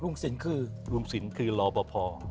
ลุงศิลป์คือลุงศิลป์คือหลอบพอ